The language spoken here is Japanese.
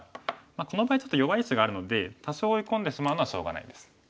この場合ちょっと弱い石があるので多少追い込んでしまうのはしょうがないです。